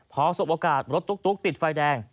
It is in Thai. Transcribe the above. พอสบโอกาสรถตุ๊กติดไฟแดง